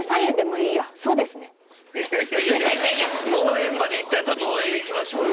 そうですねいやいやいやいや農園までいったんやったら農園いきましょうよ